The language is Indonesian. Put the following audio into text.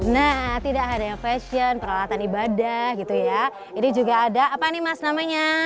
nah tidak ada yang fashion peralatan ibadah gitu ya ini juga ada apa nih mas namanya